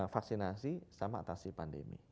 vaksinasi sama atasi pandemi